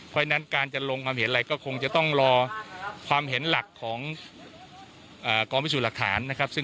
เพราะฉะนั้นการจะลงความเห็นอะไรก็คงจะต้องรอความเห็นหลักของกองพิสูจน์หลักฐานนะครับ